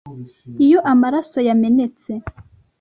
iyo maraso yamenetse.